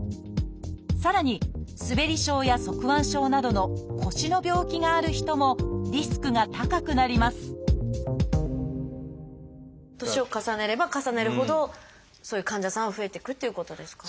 さらに「すべり症」や「側弯症」などの腰の病気がある人もリスクが高くなります年を重ねれば重ねるほどそういう患者さんは増えていくっていうことですか？